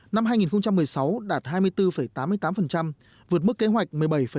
năm hai nghìn một mươi sáu đạt hai mươi bốn tám mươi tám vượt mức kế hoạch một mươi bảy hai mươi ba